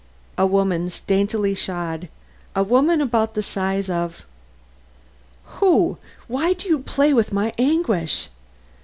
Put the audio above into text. "A woman's, daintily shod; a woman of about the size of " "Who? Why do you play with my anguish?"